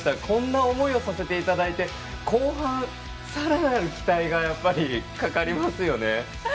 こんな思いをさせていただいて後半、さらなる期待がかかりますよね。